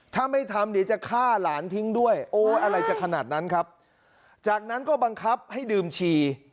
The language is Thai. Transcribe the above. ถ้าไม่ทำเดี๋ยวจะฆ่าหลานทิ้งด้วยโอ้ยอะไรจะขนาดนั้นครับจากนั้นก็บังคับให้ดื่มชี